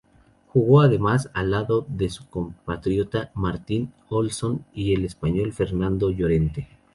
Jugó además al lado de su compatriota Martin Olsson y el español Fernando Llorente.